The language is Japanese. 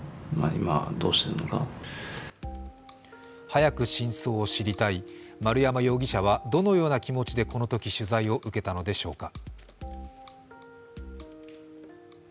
早く真相を知りたい、丸山容疑者はどのような気持ちでこのとき取材を受けたのでしょうか。